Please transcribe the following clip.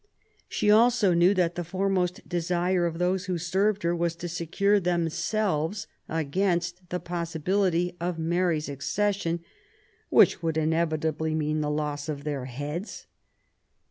She also knew that J the foremost desire of those who served her was to secure themselves against the possibility of Mary's accession, which would inevitably mean the loss of their heads.